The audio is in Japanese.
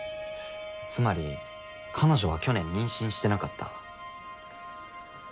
つまり彼女は去年妊娠してなかった。